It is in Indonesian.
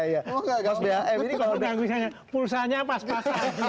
mas bam ini kalau pengganggu sinyalnya pulsanya pas pas aja